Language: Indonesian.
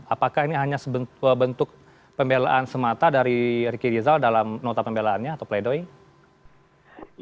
apakah ini hanya bentuk pembelaan semata dari riki rizal dalam notabene belaannya atau play doh ing